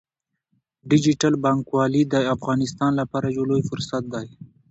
ډیجیټل بانکوالي د افغانستان لپاره یو لوی فرصت دی۔